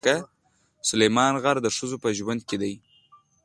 سلیمان غر د ښځو په ژوند کې دي.